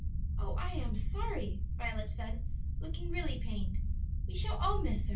"Oh, I am sorry!" Violet said, looking really pained; "we shall all miss her.